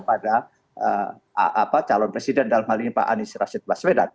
tidak ada pemahaman kepada calon presiden dalam hal ini pak anies rashid baswedan